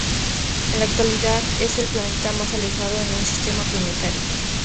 En la actualidad, es el planeta más alejado en su sistema planetario.